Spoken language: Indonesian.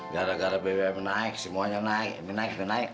gara gara bbm naik semuanya naik naik naik